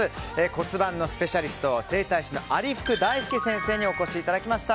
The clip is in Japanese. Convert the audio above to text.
骨盤のスペシャリスト整体師の有福大典先生にお越しいただきました。